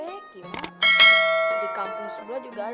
eh sini kan adanya tpq